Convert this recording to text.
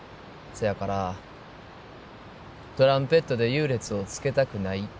そやからトランペットで優劣をつけたくない。